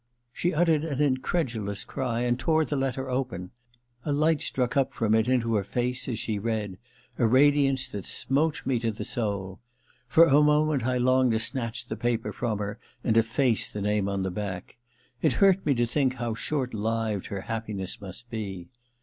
She uttered an incredulous cry and tore the letter open. A light struck up from it into her face as she read — a radiance that smote me to the soul. For a moment I longed to snatch II THE LETTER 253 the paper from her and efFace the name on the back. It hurt me to think how short lived her happiness must be.